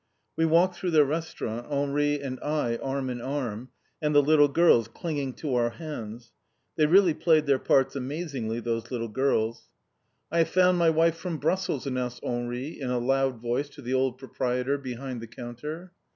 We walked through the Restaurant, Henri and I arm in arm, and the little girls clinging to our hands. They really played their parts amazingly, those little girls. "I have found my wife from Brussels," announced Henri in a loud voice to the old proprietor behind the counter.